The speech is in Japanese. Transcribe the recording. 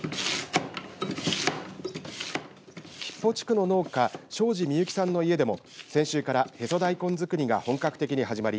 筆甫地区の農家庄司美由紀さんの家でも先週からへそ大根づくりが本格的に始まり